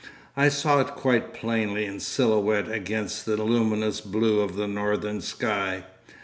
I saw it quite plainly in silhouette against the luminous blue of the northern sky.